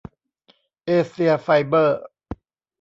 เอเซียไฟเบอร์